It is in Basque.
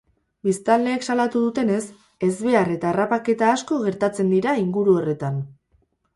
Biztanleek salatu dutenez, ezbehar eta harrapaketa asko gertatzen dira inguru horretan.